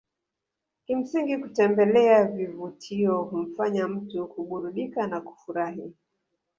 Kimsingi kutembelea vivutio humfanya mtu kuburudika na kufurahi